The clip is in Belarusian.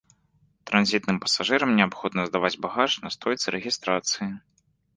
Транзітным пасажырам неабходна здаваць багаж на стойцы рэгістрацыі.